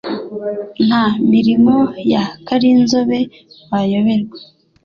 Nta mirimo ya Karinzobe wayoberwa